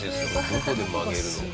どこで曲げるのか。